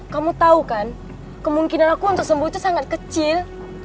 kamu tahu kan kemungkinan aku untuk sembuh itu sangat kecil